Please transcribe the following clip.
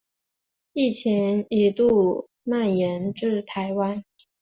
疫情一度蔓延至台湾。